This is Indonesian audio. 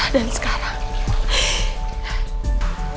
tapi musuh aku bobby